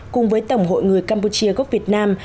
cùng với tổng hội người campuchia quốc việt nam